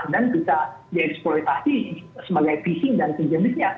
dan bisa dieksploitasi sebagai phishing dan sejenisnya